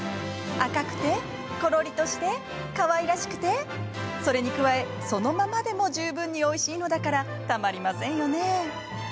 赤くて、ころりとしてかわいらしくてそれに加え、そのままでも十分においしいのだからたまりませんよね。